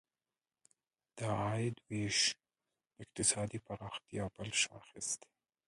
د عاید ویش د اقتصادي پراختیا بل شاخص دی.